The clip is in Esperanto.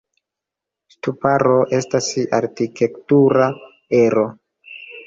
Ŝtuparo estas arkitektura ero.